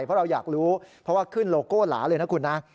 เพราะเราอยากรู้เพราะว่าขึ้นโลโก้หลาเลยนะคุณนะ